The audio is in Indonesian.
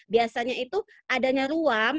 biasanya itu adanya ruam